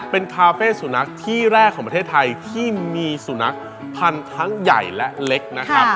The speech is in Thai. เป็นคาเฟ่สุนัขที่แรกของประเทศไทยที่มีสุนัขพันธุ์ทั้งใหญ่และเล็กนะครับ